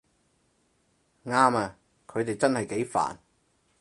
啱吖，佢哋真係幾煩